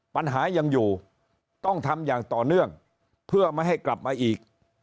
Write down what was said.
ปัญหายังอยู่ต้องทำอย่างต่อเนื่องเพื่อไม่ให้กลับมาอีก